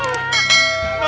mak kenapa mak